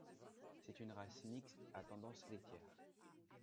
C'est une race mixte à tendance laitière.